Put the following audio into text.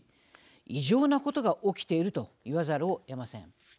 異常なことが起きていると言わざるをえません。